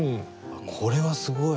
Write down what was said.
これはすごい。